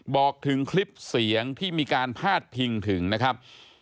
บอกถึงคลิปเสียงที่มีการพาดพิงถึงนะครับ